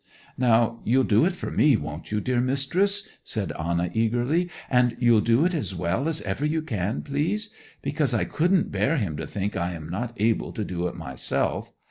'Now—you'll do it for me, won't you, dear mistress?' said Anna eagerly. 'And you'll do it as well as ever you can, please? Because I couldn't bear him to think I am not able to do it myself.